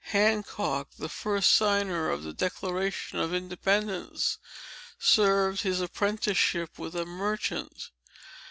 Hancock, the first signer of the Declaration of Independence, served his apprenticeship with a merchant.